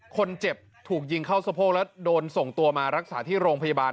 คนเจ็บถูกยิงเข้าสะโพกแล้วโดนส่งตัวมารักษาที่โรงพยาบาล